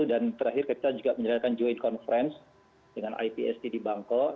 dan terakhir kita juga menyelenggarakan joint conference dengan ipst di bangkok